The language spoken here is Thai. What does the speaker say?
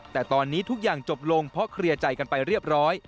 แต่ตอนนี้ทุกอย่างจบลงเพราะเคลียร์ใจกันไปเรียบร้อย